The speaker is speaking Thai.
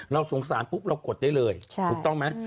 เราสงสารปุ๊บเรากดได้เลยถูกต้องไหม